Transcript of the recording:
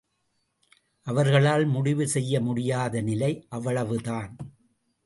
அவர்களால் முடிவு செய்ய முடியாத நிலை அவ்வளவுதான்.